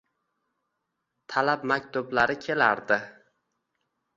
talab maktublari kelardi.